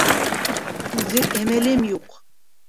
Түҙер әмәлем юҡ.